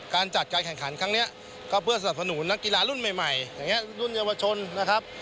การจัดการแข่งขันครั้งนี้ก็เพื่อสนับสนุนนักกีฬารุ่นใหม่อย่างนี้รุ่นเยาวชนนะครับ